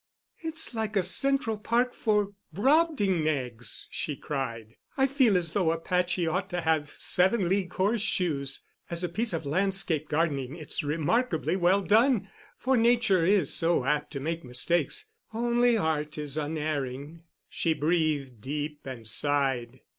"It's like a Central Park for Brobdingnags," she cried. "I feel as though Apache ought to have seven league horseshoes. As a piece of landscape gardening it's remarkably well done, for Nature is so apt to make mistakes—only Art is unerring." She breathed deep and sighed.